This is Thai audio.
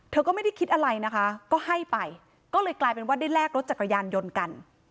ก็ไม่ได้คิดอะไรนะคะก็ให้ไปก็เลยกลายเป็นว่าได้แลกรถจักรยานยนต์กัน